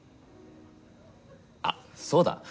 あっそうだ。